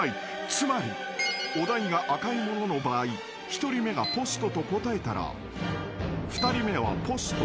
［つまりお題が赤いものの場合１人目がポストと答えたら２人目はポスト。